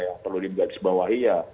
yang perlu diganti sebawahi ya